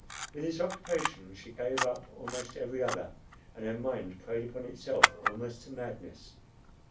With this occupation she gave up almost every other; and her mind preyed upon itself almost to madness.